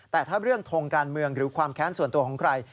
แต่ถ้าเรื่องทงการเมืองหรือความแค้นส่วนตัวของใคร